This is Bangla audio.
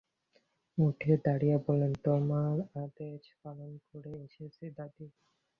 উঠে দাঁড়িয়ে বললে, তোমার আদেশ পালন করে এসেছি দিদি।